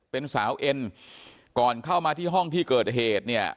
เป็นสาวเอ็นก่อนเข้ามาที่ห้องที่เกิดเหตุเนี่ย